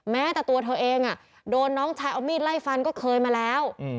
แม้แต่ตัวเธอเองโดนน้องชายเอามีดไล่ฟันก็เคยมาแล้ว